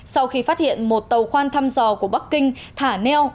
sau khi phát hiện một tàu khoan thăm dò của bắc kinh thả neo